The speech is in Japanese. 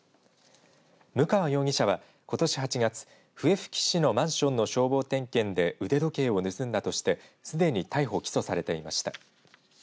武川容疑者は、ことし８月笛吹市のマンションの消防点検で腕時計を盗んだとして、すでに逮捕、起訴されていました。